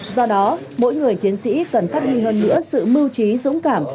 do đó mỗi người chiến sĩ cần phát huy hơn nữa sự mưu trí dũng cảm